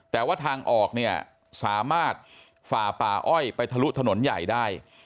แต่ว่าทางออกเนี่ยสามารถฝ่าป่าอ้อยไปทะลุถนนใหญ่ได้